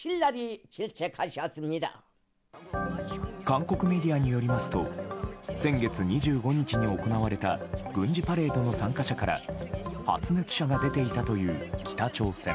韓国メディアによりますと先月２５日に行われた軍事パレードの参加者から発熱者が出ていたという北朝鮮。